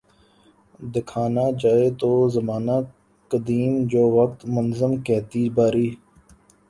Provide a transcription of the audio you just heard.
دیکھنا جائے تو زمانہ قدیم جو وقت منظم کھیتی باڑی